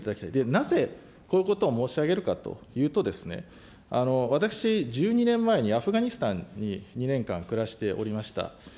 なぜこういうことを申し上げるかというと、私、１２年前にアフガニスタンに２年間暮らしておりました。